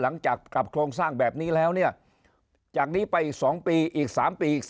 หลังจากกลับโครงสร้างแบบนี้แล้วเนี่ยจากนี้ไปอีก๒ปีอีก๓ปีอีก